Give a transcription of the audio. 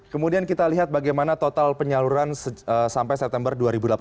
kemudian kita lihat bagaimana total penyaluran sampai september dua ribu delapan belas